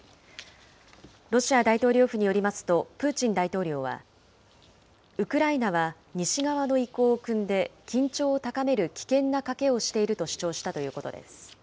ロシア大統領府によりますと、プーチン大統領は、ウクライナは西側の意向をくんで、緊張を高める危険な賭けをしていると主張したということです。